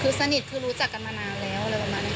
คือสนิทคือรู้จักกันมานานแล้วอะไรประมาณนี้